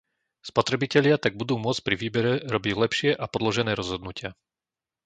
Spotrebitelia tak budú môcť pri výbere robiť lepšie a podložené rozhodnutia.